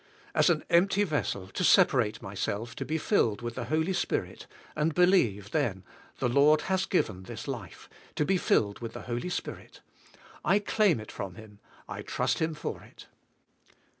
As an empty ves sel to separate myself to be filled with the Holy Spirit, and believe then, the Lord has given this life, to be filled with the Holy Spirit; I claim it from Him; I trust Him for it.